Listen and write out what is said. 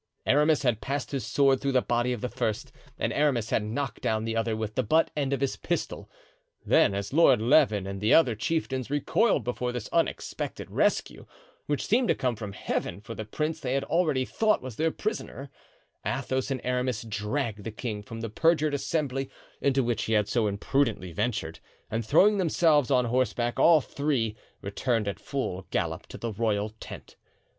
Aramis had passed his sword through the body of the first and Athos had knocked down the other with the butt end of his pistol. Then, as Lord Leven and the other chieftains recoiled before this unexpected rescue, which seemed to come from Heaven for the prince they already thought was their prisoner, Athos and Aramis dragged the king from the perjured assembly into which he had so imprudently ventured, and throwing themselves on horseback all three returned at full gallop to the royal tent.